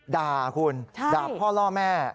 ด่าคุณด่าพ่อล่อแม่